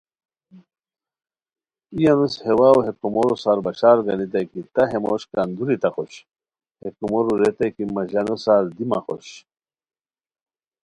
ای انوس ہے واؤ ہے کومورو سار بشارگانیتائے کی تہ ہے موش کندوری تہ خوش؟ ہے کومورو ریتائے کی مہ ژانو سار دی مہ خوش